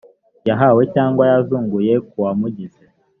yahawe cyangwa yazunguye k uwamugize